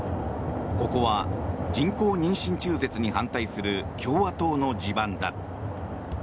ここは人工妊娠中絶に反対する共和党の地盤だ。